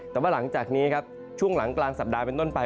แต่ว่าหลังจากนี้ครับช่วงหลังกลางสัปดาห์เป็นต้นไป